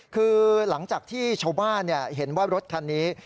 คือหลังจากที่ชาวบ้านเห็นว่ารถคันนี้